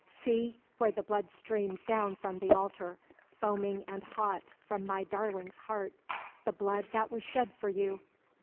See where the blood streams down from the altar, foaming and hot from my darling's heart the blood that was shed for you!